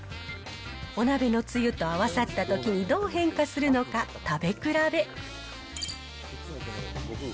お鍋のつゆと合わさったときに、どう変化するのか食べ比べ。